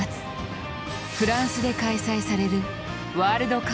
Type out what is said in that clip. フランスで開催されるワールドカップ。